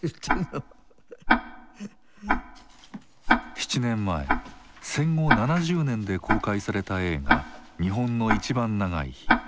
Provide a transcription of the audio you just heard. ７年前戦後７０年で公開された映画「日本のいちばん長い日」。